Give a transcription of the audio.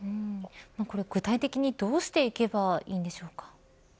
これ具体的にどうしていけばいいんでしょうか。